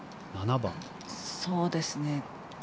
そうですね。